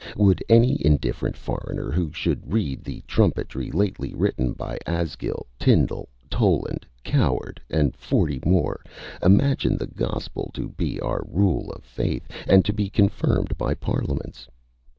Would any indifferent foreigner, who should read the trumpery lately written by Asgil, Tindal, Toland, Coward, and forty more, imagine the Gospel to be our rule of faith, and to be confirmed by Parliaments?